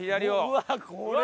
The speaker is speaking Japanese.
うわあ！これ？